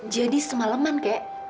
jadi semaleman kek